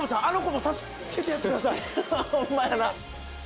あの子も助けてやってください